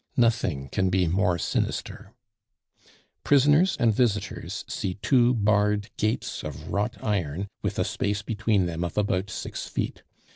Nothing can be more sinister. Prisoners and visitors see two barred gates of wrought iron, with a space between them of about six feet.